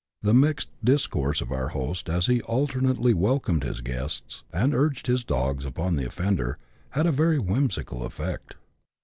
The mixed discourse of our host, as he alternately welcomed his guests, and urged his dogs upon the offender, had a very whimsical effect.